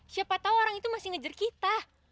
siapa tau orang itu masih ngejer kita